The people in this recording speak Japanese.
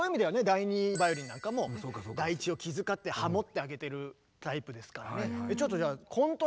第２バイオリンなんかも第１を気遣ってハモってあげてるタイプですからね。